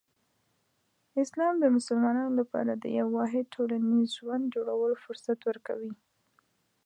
اسلام د مسلمانانو لپاره د یو واحد ټولنیز ژوند جوړولو فرصت ورکوي.